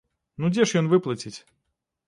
Ну дзе ж ён выплаціць?